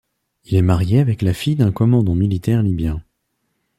Il est marié avec la fille d'un commandant militaire libyen.